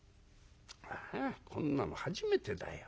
「あこんなの初めてだよ。